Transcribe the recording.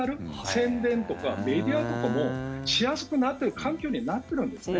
宣伝とかメディアとかもしやすくなってる環境になってるんですね。